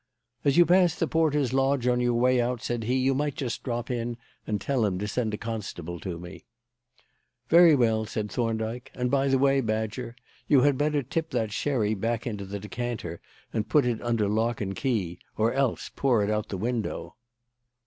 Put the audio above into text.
"As you pass the porter's lodge on your way out," said he, "you might just drop in and tell him to send a constable to me." "Very well," said Thorndyke. "And by the way, Badger, you had better tip that sherry back into the decanter and put it under lock and key, or else pour it out of the window."